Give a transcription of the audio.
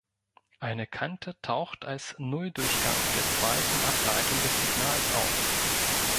Eine Kante taucht als Nulldurchgang der zweiten Ableitung des Signals auf.